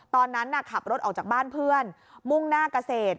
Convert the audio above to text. ตอนนั้นขับรถออกจากบ้านเพื่อนมุ่งหน้าเกษตร